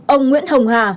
một ông nguyễn hồng hà